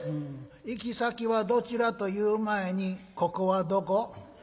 「行き先はどちらという前にここはどこ？」。